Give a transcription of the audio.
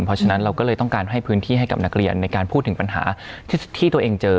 เพราะฉะนั้นเราก็เลยต้องการให้พื้นที่ให้กับนักเรียนในการพูดถึงปัญหาที่ตัวเองเจอ